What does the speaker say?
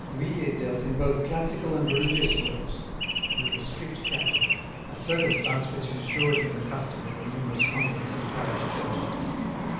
Vuillet dealt in both classical and religious works; he was a strict Catholic, a circumstance which insured him the custom of the numerous convents and parish churches.